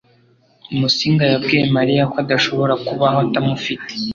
Musinga yabwiye Mariya ko adashobora kubaho atamufite.